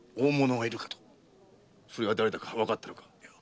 それが誰だかわかったのか？